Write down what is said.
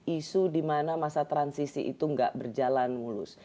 isu di mana masa transisi itu tidak berjalan mulus